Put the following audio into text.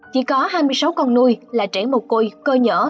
chỉ có hai mươi sáu con nuôi là trẻ mộc côi cơ nhở